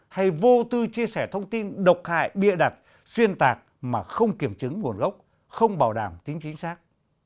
hay vô tư chia sẻ thông tin độc hại bịa đặt xuyên tạc mà không kiểm chứng nguồn gốc không bảo đảm tính chính xác